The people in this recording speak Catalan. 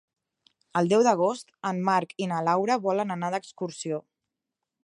El deu d'agost en Marc i na Laura volen anar d'excursió.